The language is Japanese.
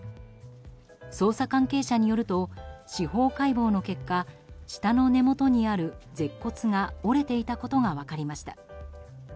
捜査関係者によると司法解剖の結果舌の根元にある舌骨が折れていたことが分かりました。